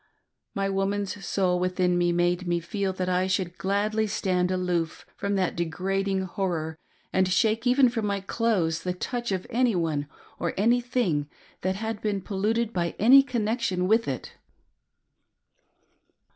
My woman's soul within me made me feel that I should gladly stand aloof fropi that degrading horror, and shake even from my clotheg, the touch of any one, or anything, that had been polluted by any connection with it.